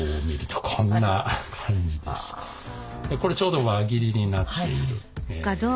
これちょうど輪切りになっている。